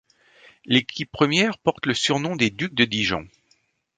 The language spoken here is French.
L'équipe première porte le surnom des Ducs de Dijon.